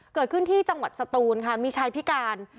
เกิดขึ้นที่จังหวัดสตูนค่ะมีชายพิการ